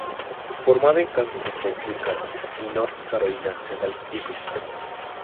Formado en Kansas State Wildcats y North Carolina Central Eagles.